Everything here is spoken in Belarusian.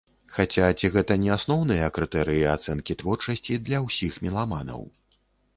Хаця, ці гэта не асноўныя крытэрыі ацэнкі творчасці для ўсіх меламанаў.